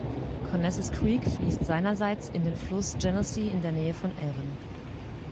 Conesus Creek fließt seinerseits in den Fluss Genesee in der Nähe von Avon.